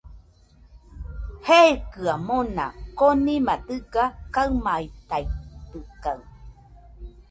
Jeikɨaɨ mona, konima dɨga kaɨmaitaitɨkaɨ